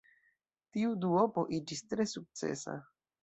Tiu duopo iĝis tre sukcesa.